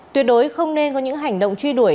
tuyệt đối không nên có những hành động truy đuổi